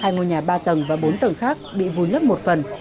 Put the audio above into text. hai ngôi nhà ba tầng và bốn tầng khác bị vùi lấp một phần